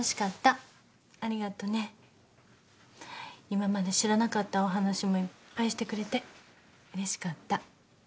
今まで知らなかったお話もいっぱいしてくれてうれしかった。